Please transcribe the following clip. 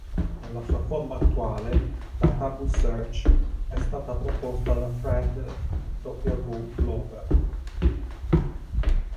Nella sua forma attuale, la Tabu Search è stata proposta da Fred W. Glover.